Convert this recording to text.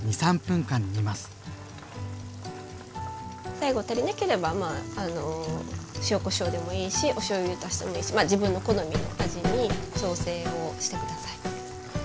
最後足りなければ塩・こしょうでもいいしおしょうゆを足してもいいし自分の好みの味に調整をして下さい。